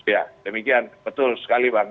ya demikian betul sekali bang